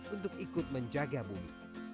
untuk menjaga bumi